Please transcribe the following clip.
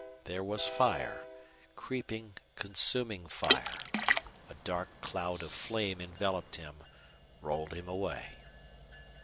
There was fire creeping, consuming fire. A dark cloud of flame enveloped him, rolled him away.